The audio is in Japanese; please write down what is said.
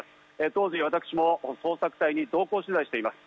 当時、私も捜索隊に同行取材しています。